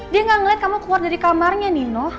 dia gak ngeliat kamu keluar dari kamarnya nino